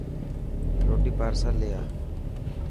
روٽي پارسل لي آءِ.